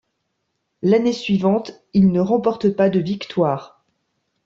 L'année suivante, il ne remporte pas de victoire.